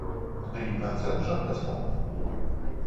Ды і канцэрт жа бясплатны.